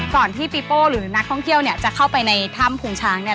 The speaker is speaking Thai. ที่ปีโป้หรือนักท่องเที่ยวเนี่ยจะเข้าไปในถ้ำพุงช้างเนี่ย